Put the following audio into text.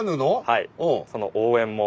はい。